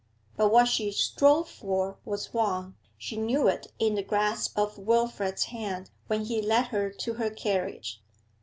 But what she strove for was won; she knew it in the grasp of Wilfrid's hand when he led her to her carriage.